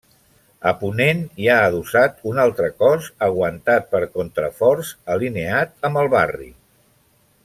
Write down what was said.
A ponent hi ha adossat un altre cos aguantat per contraforts, alineat amb el barri.